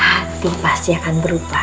hati pasti akan berubah